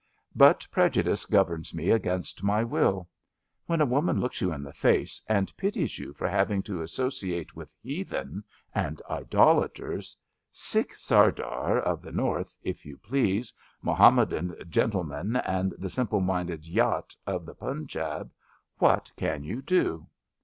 But prejudice governs me against my wilL When a woman looks you in the face and pities you for having to associate with *' heathen *' and '' idolaters ''—Sikh Sirdar of the north, if you please, Mahommedan gentlemen and the sim ple minded Jat of the Punjab— what can you do?